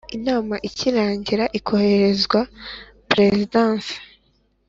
inama ikirangira ikohererezwa Perezidansi